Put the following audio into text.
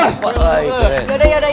yaudah yaudah yaudah